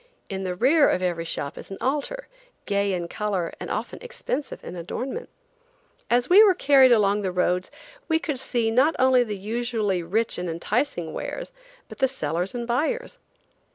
In the rear of every shop is an altar, gay in color and often expensive in adornment. As we were carried along the roads we could see not only the usually rich and enticing wares, but the sellers and buyers.